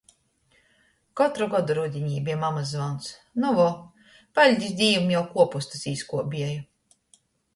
Kotru godu rudinī beja mamys zvons "Nu vo, paļdis Dīvam, jau kuopustus īskuobieju!"